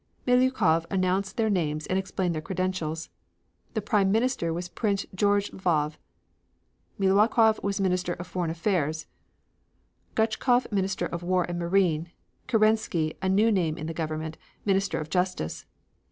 Miliukov announced their names and explained their credentials. The Prime Minister was Prince George Lvov. Miliukov was Minister of Foreign Affairs, Guchkov Minister of War and Marine, Kerensky, a new name in the government, Minister of Justice.